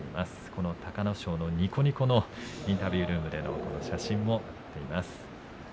この隆の勝の、にこにこのインタビュールームでの写真も載っています。